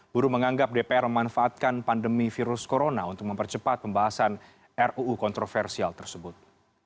buruh menganggap dpr memanfaatkan pandemi virus corona untuk mempercepat pembahasan ruu kontroversial tersebut